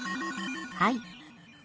はい。